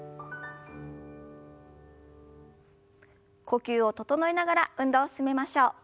呼吸を整えながら運動を進めましょう。